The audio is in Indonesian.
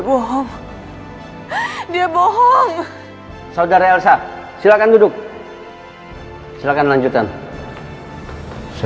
sampai jumpa di video selanjutnya